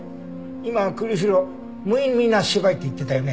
今栗城「無意味な芝居」って言ってたよね？